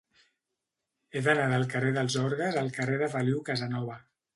He d'anar del carrer dels Orgues al carrer de Feliu Casanova.